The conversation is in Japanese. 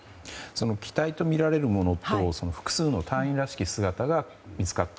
機体とみられるものと複数の隊員らしき姿が見つかった。